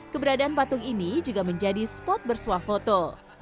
keberadaan patung ini juga menjadi spot bersuah foto